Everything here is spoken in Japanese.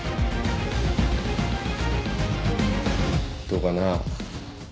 どうかな？